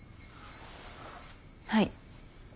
はい。